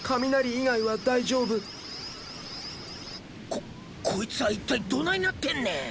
ここいつは一体どないなってんねん！